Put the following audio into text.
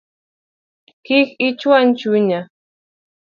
Kik ichuany chunya